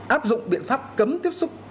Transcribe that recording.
áp dụng biện pháp cấm tiếp xúc